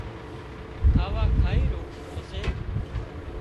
کاوا کائي رون پسي